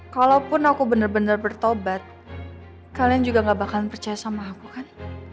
kalaupun aku benar benar bertobat kalian juga gak bakalan percaya sama aku kan